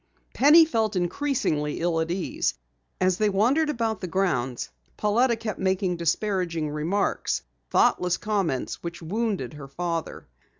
Penny felt increasingly ill at ease. As they wandered about the grounds, Pauletta kept making disparaging remarks, thoughtless comments which wounded her father.